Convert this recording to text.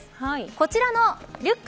こちらのリュック。